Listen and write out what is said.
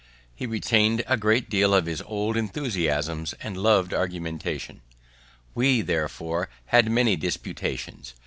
He retained a great deal of his old enthusiasms and lov'd argumentation. We therefore had many disputations.